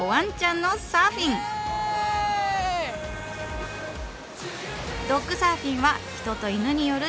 ドッグサーフィンは人と犬によるチームスポーツ。